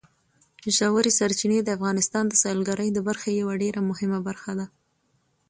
ژورې سرچینې د افغانستان د سیلګرۍ د برخې یوه ډېره مهمه برخه ده.